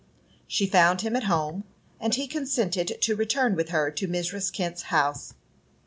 She found him at home, and he consented to return with her to Mrs. Kent's house.